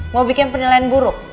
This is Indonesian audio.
mau bikin penilaian buruk